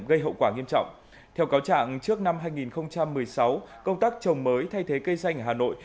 gây hậu quả nghiêm trọng theo cáo trạng trước năm hai nghìn một mươi sáu công tác trồng mới thay thế cây xanh ở hà nội